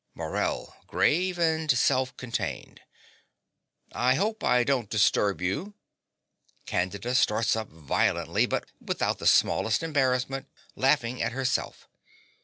MORELL (grave and self contained). I hope I don't disturb you. (Candida starts up violently, but without the smallest embarrassment, laughing at herself.